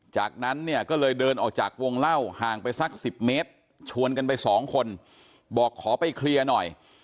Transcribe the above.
จากนั้นเนี่ยก็เลยเดินออกจากวงเล่าห่างไปสัก๑๐เมตรชวนกันไปสองคนบอกขอไปเคลียร์หน่อย